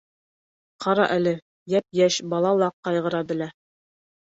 Ҡара әле, йәп-йәш бала ла ҡайғыра белә.